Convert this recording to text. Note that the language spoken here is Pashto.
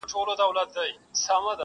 چوپ دی نغمه زار د آدم خان او درخانیو!.